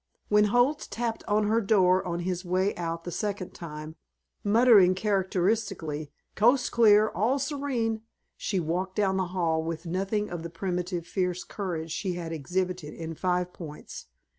When Holt tapped on her door on his way out the second time, muttering characteristically: "Coast clear. All serene," she walked down the hall with nothing of the primitive fierce courage she had exhibited in Five Points.